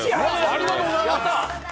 ありがとうございます。